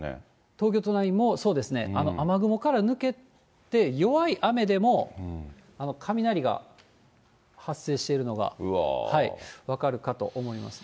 東京都内もそうですね、雨雲から抜けて、弱い雨でも、雷が発生しているのが分かるかと思います。